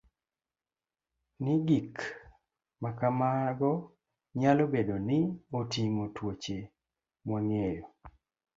ni gik ma kamago nyalo bedo ni oting'o tuoche mwang'eyo